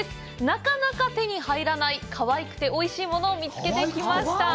なかなか手に入らない、かわいくて、おいしいものを見つけてきました。